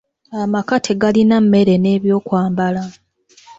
Amaka tegalina mmere n'ebyokwambala.